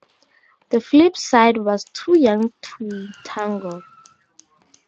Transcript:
The flip side was Too Young to Tango.